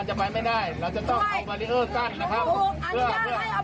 อย่ากลสโบยโดยอย่าเกลียดกันอย่าเกลียดหลบ